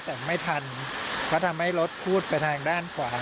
แต่ไม่ทันเพราะทำให้รถพูดไปทางด้านขวา